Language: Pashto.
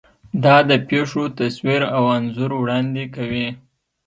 دا د پېښو تصویر او انځور وړاندې کوي.